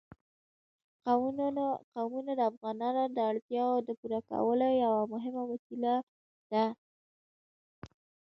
قومونه د افغانانو د اړتیاوو د پوره کولو یوه مهمه وسیله ده.